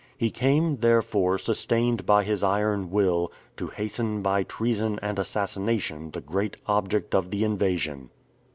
He came, therefore, sustained by his iron will, to hasten by treason and assassination the great object of the invasion.